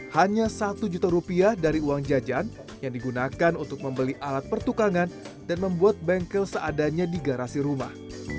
hanya satu juta rupiah dari uang jajan yang digunakan untuk membeli alat pertukangan dan membuat bengkel seadanya di garasi rumah